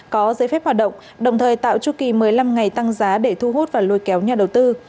có giấy phép hoạt động đồng thời tạo chu kỳ một mươi năm ngày tăng giá để thu hút và lôi kéo nhà đầu tư